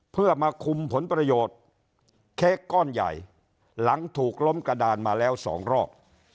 เพื่อมาคุมผลประโยชน์เค้กก้อนใหญ่หลังถูกล้มกระดานมาแล้วสองรอบ